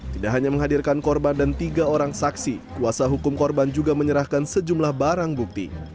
tidak hanya menghadirkan korban dan tiga orang saksi kuasa hukum korban juga menyerahkan sejumlah barang bukti